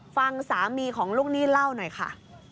ฟังสามีของลูกหนี้เล่าหน่อยค่ะ